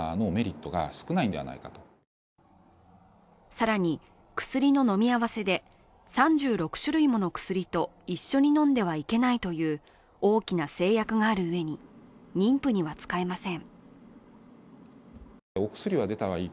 更に薬の飲み合わせで、３６種類もの薬と一緒に飲んではいけないという大きな製薬があるうえに妊婦には使えません。